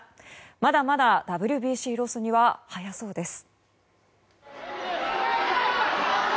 まだまだＷＢＣロスには早そうです。